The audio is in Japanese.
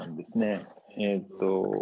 えっと